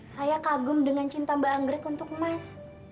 saya kagum dengan cinta mbak anggrek untuk mas